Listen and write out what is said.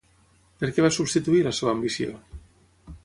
Per què va substituir la seva ambició?